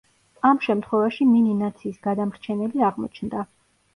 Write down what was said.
ამ შემთხვევაში მინი ნაციის გადამრჩენელი აღმოჩნდა.